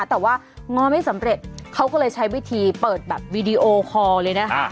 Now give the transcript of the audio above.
แต่ว่าง้อไม่สำเร็จเขาก็เลยใช้วิธีเปิดแบบวีดีโอคอลเลยนะคะ